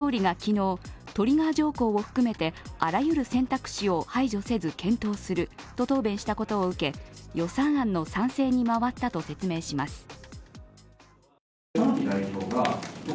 玉木代表は、岸田総理が昨日トリガー条項を含めてあらゆる選択肢を排除せず検討すると答弁したことを受け予算案の賛成に回ったと説明します。